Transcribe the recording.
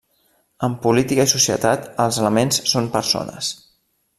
En política i societat els elements són persones.